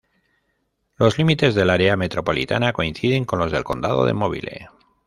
Los límites del área metropolitana coinciden con los del Condado de Mobile.